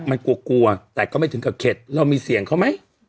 มันกลัวกลัวแต่ก็ไม่ถึงกับเข็ดเรามีเสียงเขาไหม